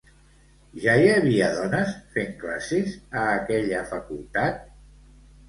Ja hi havia dones fent classes a aquella facultat?